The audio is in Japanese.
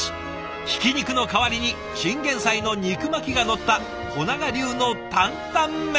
ひき肉の代わりにチンゲンサイの肉巻きがのった保永流の担々麺。